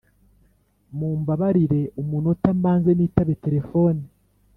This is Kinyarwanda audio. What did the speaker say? mumbabarire umunota mbanze nitabe telephone.